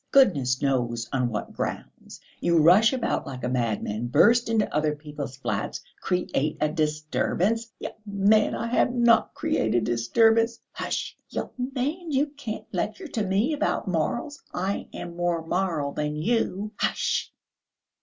Goodness knows on what grounds, you rush about like a madman, burst into other people's flats, create a disturbance...." "Young man, I have not created a disturbance." "Hush!" "Young man, you can't lecture to me about morals, I am more moral than you." "Hush!"